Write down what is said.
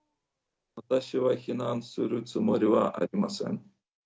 私は避難するつもりはありません。